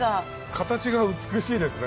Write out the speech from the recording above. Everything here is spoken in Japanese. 形が美しいですね